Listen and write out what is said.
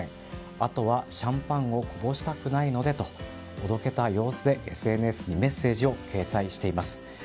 あとはシャンパンをこぼしたくないのでとおどけた様子でＳＮＳにメッセージを掲載しています。